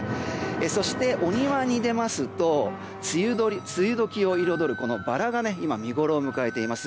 そして、お庭に出ますと梅雨時を彩るバラが今見ごろを迎えています。